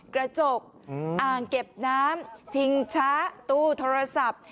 กระจกอ่างเก็บน้ำชิงช้าตู้โทรศัพท์